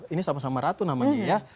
ini sama sama ratu namanya ya